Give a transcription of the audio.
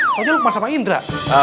pokoknya lukman sama indra